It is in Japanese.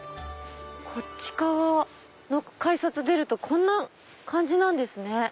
こっち側の改札出るとこんな感じなんですね。